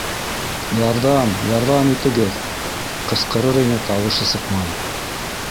«Ярҙам, ярҙам итегеҙ!» - ҡысҡырыр ине - тауышы сыҡмай.